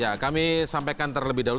ya kami sampaikan terlebih dahulu